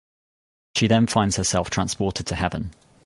She then finds herself transported to Heaven.